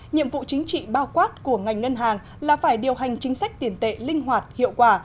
nhiệm vụ chính trị bao quát của ngành ngân hàng là phải điều hành chính sách tiền tệ linh hoạt hiệu quả